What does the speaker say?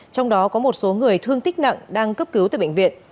trong đó có một số người thương tích nặng đang cấp cứu tại bệnh viện